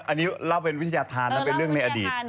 อันนี้เล่าเป็นวิทยาธารนะเป็นเรื่องในอดีต